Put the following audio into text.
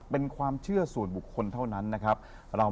เป็นความเชื่อส่วนบุคคลเท่านั้นนะครับ